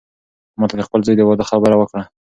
ما ته د خپل زوی د واده خبره وکړه.